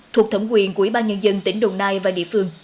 thuộc thẩm quyền quỹ ba nhân dân tỉnh đồng nai và địa phương